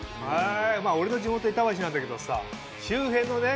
俺の地元板橋なんだけどさ周辺のね